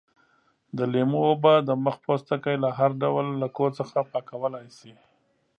د لیمو اوبه د مخ پوستکی له هر ډول لکو څخه پاکولای شي.